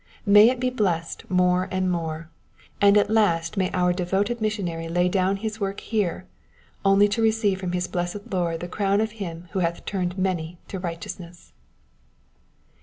May it be blest more and more; and at last may our devoted missionary lay down his work here, only to receive from his blessed Lord the crown of him who hath turned many to righteousness.